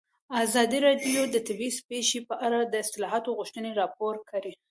ازادي راډیو د طبیعي پېښې په اړه د اصلاحاتو غوښتنې راپور کړې.